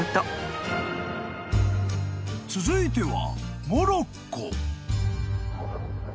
［続いては］